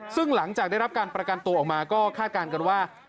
ซึ่งหลังจากได้รับการประกันตัวออกมาก็คาดการณ์กันว่า